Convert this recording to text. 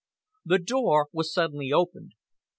The door was suddenly opened.